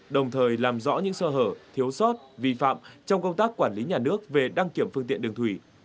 đồng thời làm rõ những sơ hở thiếu sót vi phạm trong công tác quản lý nhà nước về đăng kiểm phương tiện đường thủy